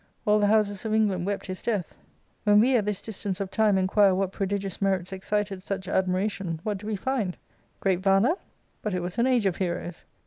All the houses of England wept his death. When we at this distance of time inquire what prodigious merits ex cited such admiration, what do we find % Great valour 1 i But it was an age of heroes.